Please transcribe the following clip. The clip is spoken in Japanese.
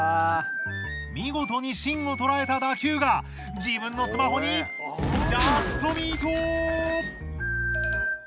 見事に芯を捉えた打球が自分のスマホにジャストミート！